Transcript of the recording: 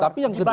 tapi yang kedua